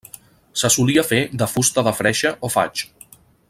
Se solia fer de fusta de freixe o faig.